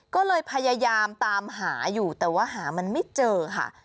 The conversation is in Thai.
ก็เลยพยายามตามหาอยู่แต่ว่าหามันไม่เจอค่ะ